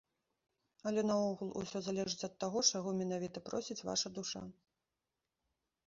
Але наогул, усё залежыць ад таго, чаго менавіта просіць ваша душа.